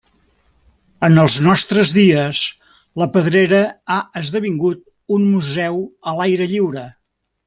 En els nostres dies, la pedrera ha d'esdevenir un museu a l'aire lliure.